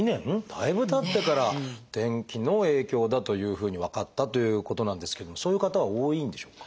だいぶたってから天気の影響だというふうに分かったということなんですけどもそういう方は多いんでしょうか？